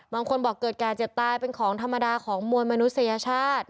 บางคนบอกเกิดแก่เจ็บตายเป็นของธรรมดาของมวลมนุษยชาติ